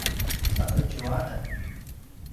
saqetju a en